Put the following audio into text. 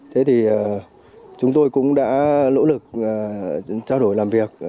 thế thì chúng tôi cũng đã nỗ lực trao đổi làm việc